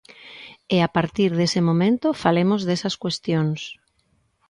E a partir dese momento, falemos desas cuestións.